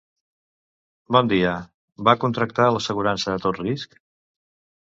Bon dia, va contractar l'assegurança a tot risc?